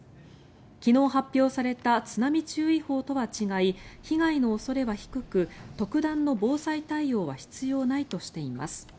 昨日発表された津波注意報とは違い被害の恐れは低く特段の防災対応は必要ないとしています。